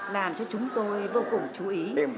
làm cho chúng tôi vô cùng chú ý